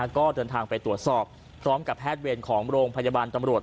ก็เดินทางไปตรวจสอบพร้อมกับแพทย์เวรของโรงพยาบาลตำรวจ